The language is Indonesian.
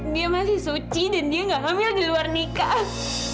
dia masih suci dan dia gak ngemil di luar nikah